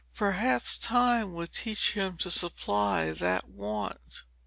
Perhaps time would teach him to supply that want.